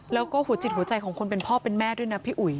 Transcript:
แล้วก็หัวจิตหัวใจของคนเป็นพ่อเป็นแม่ด้วยนะพี่อุ๋ย